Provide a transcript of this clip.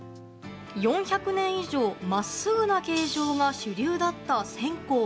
４００年以上、真っすぐな形状が主流だった線香。